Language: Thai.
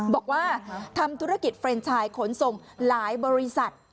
บอกว่าทำธุรกิจเฟรนชายขนส่งหลายบริษัท